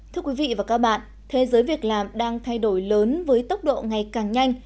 thưa quý vị và các bạn thế giới việc làm đang thay đổi lớn với tốc độ ngày càng nhanh